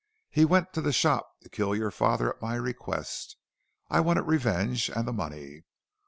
He went to the shop to kill your father at my request. I wanted revenge and the money.